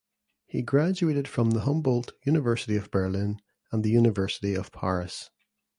He graduated from the Humboldt University of Berlin and the University of Paris.